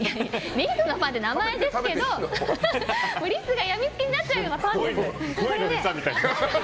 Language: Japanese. リスのパンっていう名前ですけどリスが病みつきになっちゃうようなパンです！